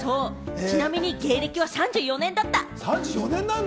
ちなみに芸歴は３４年だった！